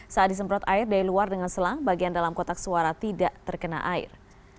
saat disemprot air dari luar dengan selang bagian dalam kotak suara tidak terkena air